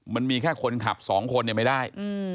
มันมีแค่คนขับ๒คนไม่ได้